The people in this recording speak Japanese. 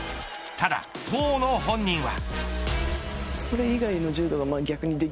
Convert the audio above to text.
ただ、当の本人は。